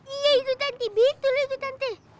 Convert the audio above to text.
iya itu tante betul itu tante